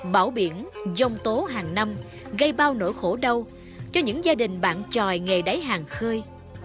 bão biển dông tố hàng năm gây bao nỗi khổ đau cho những gia đình bạn tròi nghề đáy hàng khơi